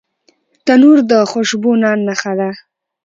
تنور د خوشبو نان نښه ده